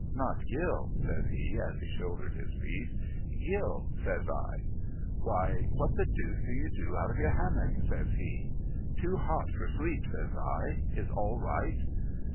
' Not Gill ?' says he, as he shouldered his piece. ' Gill,' says I. ' Why, what the deuce do you do out of your hammock ?' says he. * Too hot for sleep,' says I j ' is all right